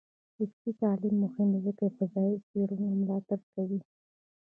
عصري تعلیم مهم دی ځکه چې د فضايي څیړنو ملاتړ کوي.